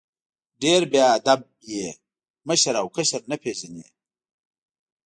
ډېر بې ادب یې ، مشر او کشر نه پېژنې!